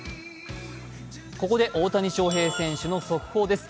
ここで大谷翔平選手の速報です。